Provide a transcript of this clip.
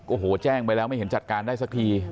โอ้โหแจ้งไปแล้วไม่เห็นจัดการได้สักที